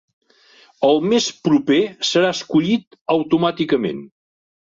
El més proper serà escollit automàticament.